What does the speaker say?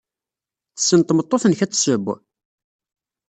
Tessen tmeṭṭut-nnek ad tesseww?